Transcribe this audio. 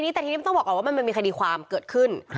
นี่ต้องบอกว่ามันมีคดีความเกิดขึ้น